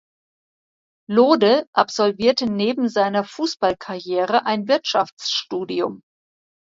Lode absolvierte neben seiner Fußballkarriere ein Wirtschaftsstudium.